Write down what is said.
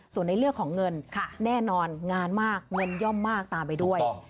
ส่วนในเรื่องของเงินแน่นอนงานมากเงินย่อมมากตามไปด้วย